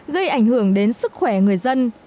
gây ảnh hưởng đến sức khỏe người dân